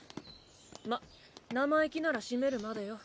まっ生意気ならシメるまでよ。